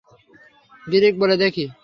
Greek বলে দেখি।